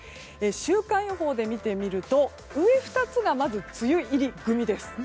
週間予報で見てみると上の２つが梅雨入り組です。